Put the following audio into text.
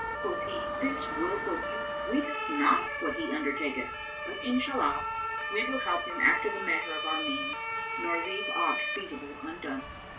Quoth he, "This wilful youth weeteth not what he undertaketh; but Inshallah! we will help him after the measure of our means, nor leave aught feasible undone."